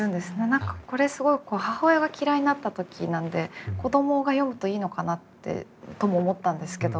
何かこれすごい母親が嫌いになった時なんで子供が読むといいのかなとも思ったんですけど